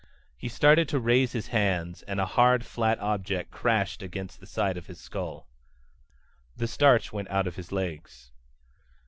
He started to raise his hands; and a hard flat object crashed against the side of his skull. The starch went out of his legs.